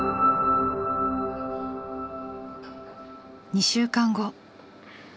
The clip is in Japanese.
２週間後。